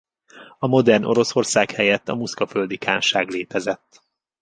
A modern Oroszország helyett a Muszkaföldi Kánság létezett.